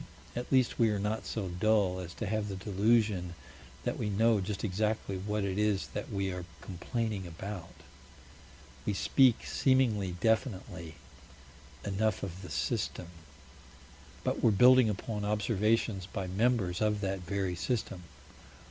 At least we are not so dull as to have the delusion that we know just exactly what it is that we are complaining about. We speak seemingly definitely enough of "the System," but we're building upon observations by members of that very system.